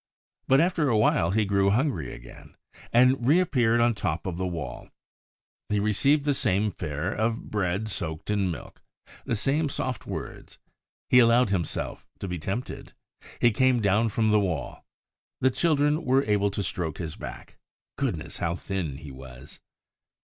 But after a while he grew hungry again, and reappeared on top of the wall. He received the same fare of bread soaked in milk, the same soft words. He allowed himself to be tempted. He came down from the wall. The children were able to stroke his back. Goodness, how thin he was!